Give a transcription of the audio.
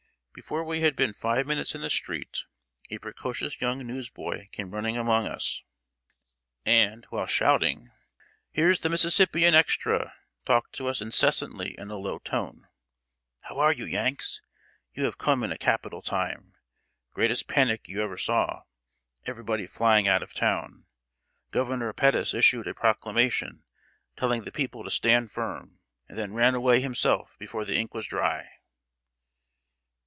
Before we had been five minutes in the street, a precocious young newsboy came running among us, and, while shouting "Here's The Mississippian extra!" talked to us incessantly in a low tone: "How are you, Yanks? You have come in a capital time. Greatest panic you ever saw. Everybody flying out of town. Governor Pettus issued a proclamation, telling the people to stand firm, and then ran away himself before the ink was dry."